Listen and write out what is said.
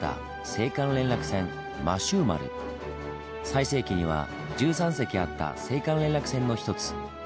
最盛期には１３隻あった青函連絡船の一つ。